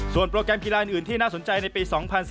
โปรแกรมกีฬาอื่นที่น่าสนใจในปี๒๐๑๘